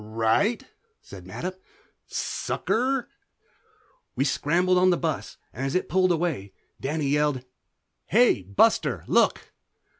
"Right," said Mattup. "Sucker." We scrambled on the bus and as it pulled away Danny yelled "Hey, Buster, look!"